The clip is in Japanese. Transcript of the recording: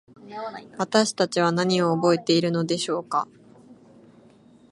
私たちは何を覚えているのでしょうか。